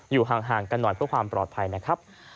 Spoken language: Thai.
อยู่ห่างกันหน่อยเพื่อความปลอดภัยนะครับ